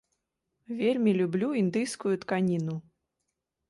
Вельмі люблю індыйскую тканіну.